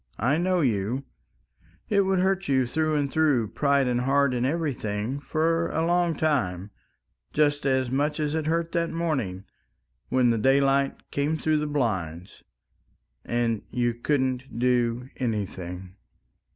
I know you ... it would hurt you through and through, pride and heart and everything, and for a long time just as much as it hurt that morning when the daylight came through the blinds. And you couldn't do anything!